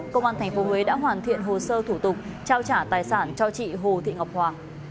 công an tp huế đã hoàn thiện hồ sơ thủ tục trao trả tài sản cho chị hồ thị ngọc hoàng